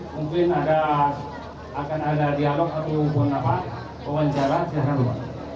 mungkin akan ada dialog atau pemanjara di jalan luar